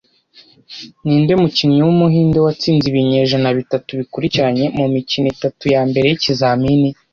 Ninde mukinnyi wumuhinde watsinze ibinyejana bitatu bikurikiranye mumikino itatu yambere yikizamini